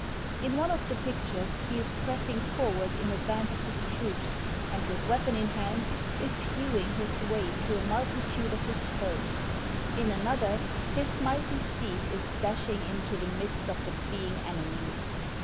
In one of the pictures he is pressing forward in advance of his troops, and with weapon in hand is hewing his way through a multitude of his foes. In another, his mighty steed is dashing into the midst of the fleeing enemies.